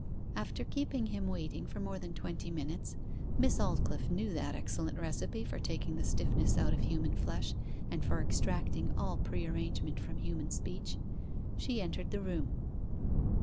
After keeping him waiting for more than twenty minutes (Miss Aldclyffe knew that excellent recipe for taking the stiffness out of human flesh, and for extracting all pre arrangement from human speech) she entered the room.